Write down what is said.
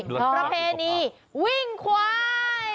ประเพณีวิ่งควาย